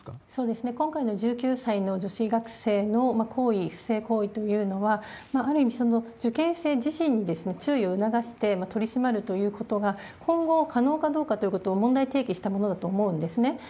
今回の１９歳の女子学生の行為、不正行為というのは、ある意味、受験生自身に注意を促して取り締まるということが、今後可能かどうかということを問題提起したものだと思うんですね。